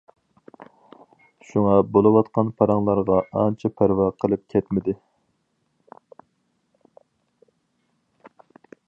شۇڭا بولۇۋاتقان پاراڭلارغا ئانچە پەرۋا قىلىپ كەتمىدى.